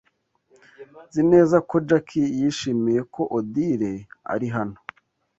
Nzi neza ko Jack yishimiye ko Odile ari hano.